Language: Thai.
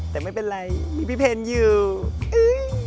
แต่ไม่เป็นไรมีพี่เพนอยู่